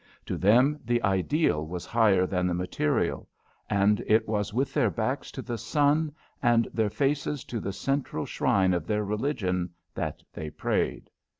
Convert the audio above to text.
To them the ideal was higher than the material, and it was with their backs to the sun and their faces to the central shrine of their religion that they prayed.